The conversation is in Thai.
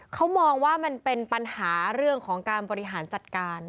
เขามองว่ามันเป็นปัญหาเรื่องของการบริหารจัดการ